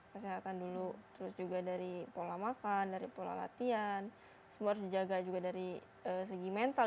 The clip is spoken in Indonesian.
kesehatan dulu terus juga dari pola makan dari pola latihan semua harus dijaga juga dari segi mental